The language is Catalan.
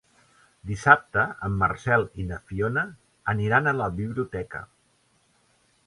Dissabte en Marcel i na Fiona aniran a la biblioteca.